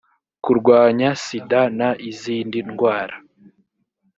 kurwanya sida n izindi ndwara